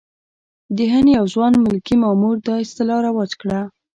د هند یو ځوان ملکي مامور دا اصطلاح رواج کړه.